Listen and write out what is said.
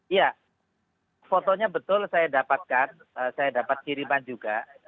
iya fotonya betul saya dapatkan saya dapat kiriman juga